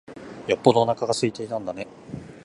よっぽどおなか空いてたんだね。